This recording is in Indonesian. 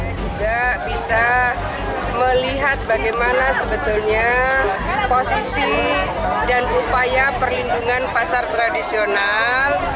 kita juga bisa melihat bagaimana sebetulnya posisi dan upaya perlindungan pasar tradisional